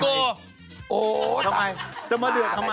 กลัวทำไมจะมาเดือดทำไม